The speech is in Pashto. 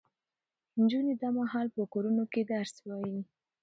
نجونې دا مهال په کورونو کې درس وايي.